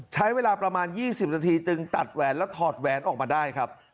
ใช้เวลาประมาณ๒๐นาทีจึงตัดแหวนและถอดแหวนออกมาได้ครับ